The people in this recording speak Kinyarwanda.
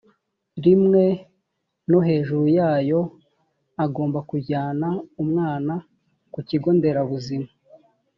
rimwe no hejuru yayo agomba kujyana umwana ku kigo nderabuzima